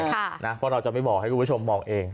เพราะเราจะไม่บอกให้คุณผู้ชมมองเอง